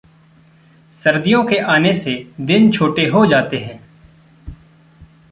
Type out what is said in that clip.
सर्दोयों के आने से दिन छोटे होते जाते हैं।